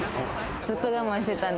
ずっと我慢してたんで。